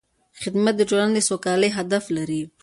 خدمت د ټولنې د سوکالۍ هدف لري.